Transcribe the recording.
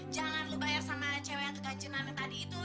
jangan lu bayar sama cewek yang tergancinan yang tadi itu